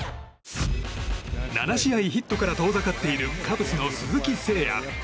７試合ヒットから遠ざかっているカブスの鈴木誠也。